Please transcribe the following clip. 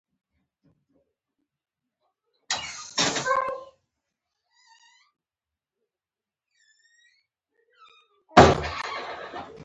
غرڅنۍ د مور تر څنګه ویده شوه.